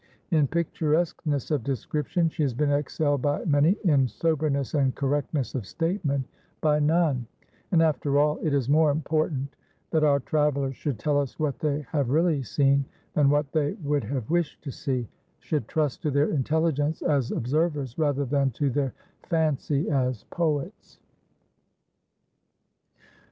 In picturesqueness of description she has been excelled by many, in soberness and correctness of statement by none; and, after all, it is more important that our travellers should tell us what they have really seen, than what they would have wished to see; should trust to their intelligence as observers rather than to their fancy as poets.